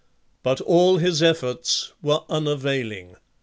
But all his efforts were unavailing.